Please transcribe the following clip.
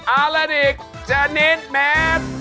อะลาดิกจานิดแมบ